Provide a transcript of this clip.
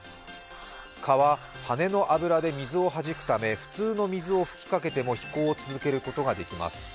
蚊は羽の脂で水をはじくため普通の水を吹きかけても飛行を続けることができます。